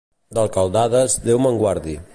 D'alcaldades, Déu me'n guardi.